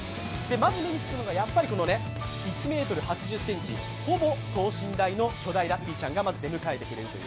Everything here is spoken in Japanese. まず目に付くのが、１ｍ８０ｃｍ、ほぼ等身大の巨大ラッピーちゃんがまず出迎えてくれる。